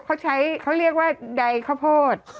เขาใช้เขาเรียกว่าใดข้าวโพด